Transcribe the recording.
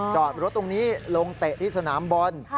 จอดรถตรงนี้ลงเตะที่สนามบอล